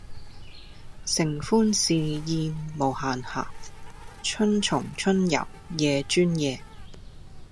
承歡侍宴無閑暇，春從春游夜專夜。